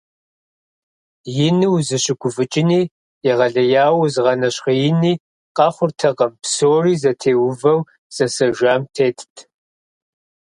Ину узыщыгуфӏыкӏыни егъэлеяуэ узыгъэнэщхъеини къэхъуртэкъым, псори зытеувэу зэсэжам тетт.